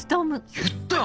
言ったよ！